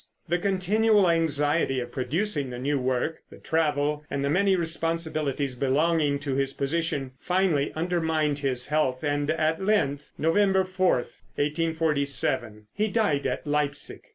The continual anxiety of producing the new work, the travel and the many responsibilities belonging to his position finally undermined his health, and at length, November 4, 1847, he died at Leipsic.